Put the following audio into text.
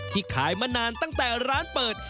ขายมานานตั้งแต่ร้านเปิด